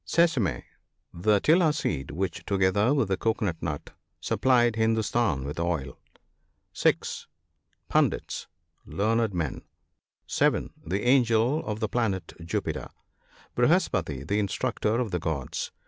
(5 ) Sesasum. — The " tilla " seed ; which, together with the cocoa nut, supplies Hindostan with oil. (6.) Pundits. — Learned men. (7.) The angel of the planet Jupiter. — Vrihaspati, the Instructor of the gods.